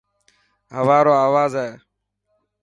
هوا رو آواز هي.